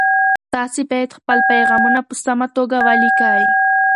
تاسي باید خپل پیغامونه په سمه توګه ولیکئ.